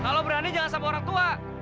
kalo berani jangan sama orang tua